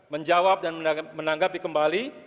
menjawab dan menanggapi kembali